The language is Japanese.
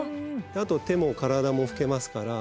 あと手も体も拭けますから。